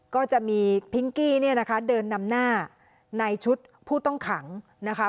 ก็จะมีพิงกี้เนี่ยนะคะเดินนำหน้าในชุดผู้ต้องขังนะคะ